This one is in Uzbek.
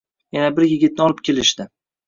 Yana bir yigitni olib kelishdi